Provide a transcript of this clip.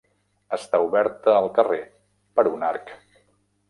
Està oberta al carrer per un arc.